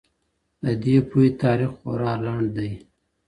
د دې پوهي تاریخ خورا لنډ دی.